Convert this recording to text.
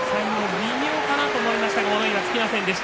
微妙かなと思いましたが物言いがつきませんでした